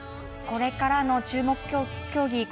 これからの注目競技